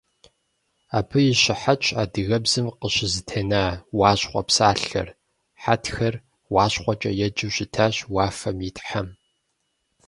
Абы и щыхьэтщ адыгэбзэм къыщызэтена «уащхъуэ» псалъэр: хьэтхэр УащхъуэкӀэ еджэу щытащ уафэм и тхьэм.